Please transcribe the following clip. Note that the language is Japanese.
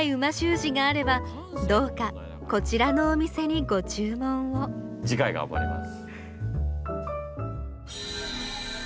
字があればどうかこちらのお店にご注文を次回頑張ります。